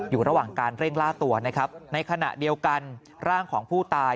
อยู่ระหว่างการเร่งล่าตัวนะครับในขณะเดียวกันร่างของผู้ตาย